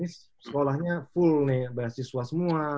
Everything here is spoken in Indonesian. ini sekolahnya full nih beasiswa semua